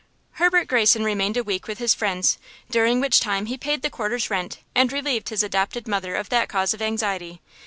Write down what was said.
Herbert Greyson remained a week with his friends, during which time he paid the quarter's rent, and relieved his adopted mother of that cause of anxiety.